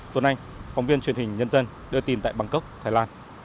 tuấn anh phóng viên truyền hình nhân dân đưa tin tại bangkok thái lan